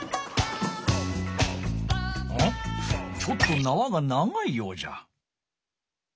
ちょっとなわが長いようじゃ。